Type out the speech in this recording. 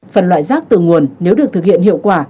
phân loại rác từ nguồn nếu được thực hiện hiệu quả